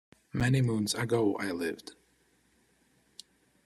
Many moons ago I lived.